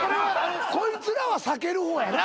こいつらは避ける方やな